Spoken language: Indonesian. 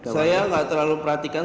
saya gak terlalu perhatikan